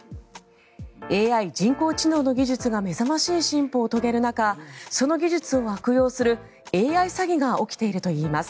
ＡＩ・人工知能の技術が目覚ましい進歩を遂げる中その技術を悪用するＡＩ詐欺が起きているといいます。